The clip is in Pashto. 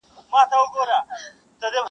• سپرلی خو ښه دی زه مي دا واري فطرت بدلوم,